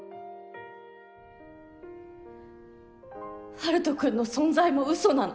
陽斗君の存在も嘘なの？